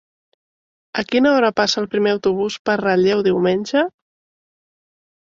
A quina hora passa el primer autobús per Relleu diumenge?